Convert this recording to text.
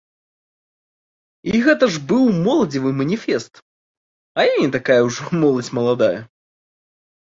І гэта ж быў моладзевы маніфест, а я не такая ўжо моладзь маладая.